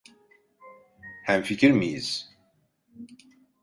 Hemfikir miyiz?